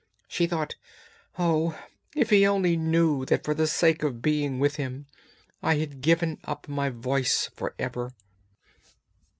She thought, 'Oh! if he only knew that for the sake of being with him I had given up my voice for ever!'